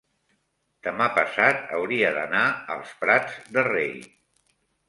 demà passat hauria d'anar als Prats de Rei.